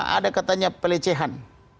ada katanya pelecehan